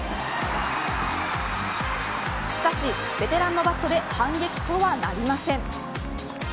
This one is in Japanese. しかし、ベテランのバットで反撃とはなりません。